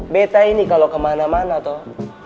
beta ini kalau kemana mana toh